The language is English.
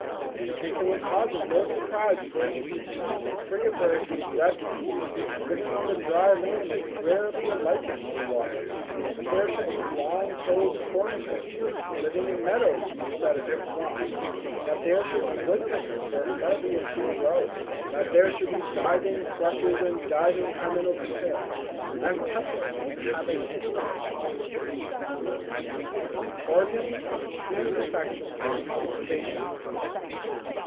Hence it will cause him no surprise that there should be geese and frigate birds with webbed feet, living on the dry land and rarely alighting on the water, that there should be long toed corncrakes, living in meadows instead of in swamps; that there should be woodpeckers where hardly a tree grows; that there should be diving thrushes and diving Hymenoptera, and petrels with the habits of auks. _Organs of extreme Perfection and Complication.